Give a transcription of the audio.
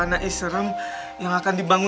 tulis gak tahu